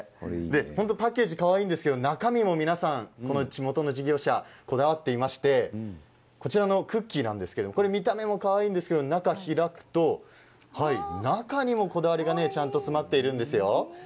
パッケージかわいいんですけど、中身も、地元の事業者の皆さん、こだわっていましてこちらのクッキー見た目もかわいいんですけど中を開くとこだわりがちゃんと詰まっているんですよ。